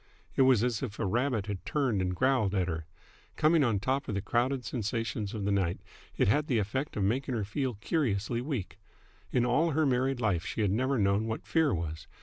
It was as if a rabbit had turned and growled at her. Coming on top of the crowded sensations of the night, it had the effect of making her feel curiously weak. In all her married life she had never known what fear was.